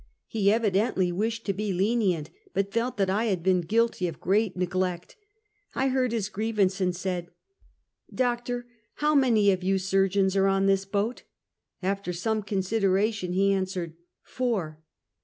He evidently wished to be lenient, but felt that I had been guilty of great neg lect. I heard his grievance, and said: " Doctor, how many of you surgeons are on this boat?" After some consideration he answered: " Four!"